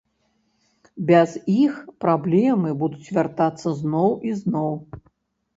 Без іх праблемы будуць вяртацца зноў і зноў.